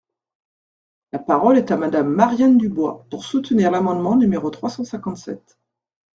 La parole est à Madame Marianne Dubois, pour soutenir l’amendement numéro trois cent cinquante-sept.